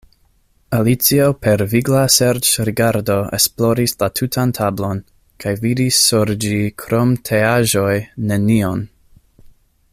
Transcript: Alicio per vigla serĉrigardo esploris la tutan tablon, kaj vidis sur ĝikrom teaĵojnenion.